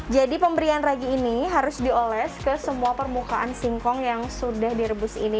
jadi pemberian ragi ini harus dioles ke semua permukaan singkong yang sudah direbus ini